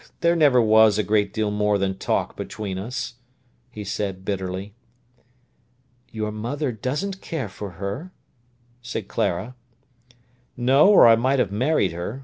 There never was a great deal more than talk between us," he said bitterly. "Your mother doesn't care for her," said Clara. "No, or I might have married her.